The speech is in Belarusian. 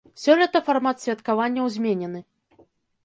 Сёлета фармат святкаванняў зменены.